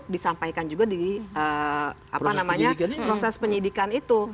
disampaikan juga di proses penyidikan itu